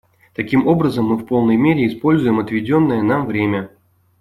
Таким образом, мы в полной мере используем отведенное нам время.